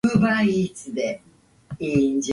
スカートかわいい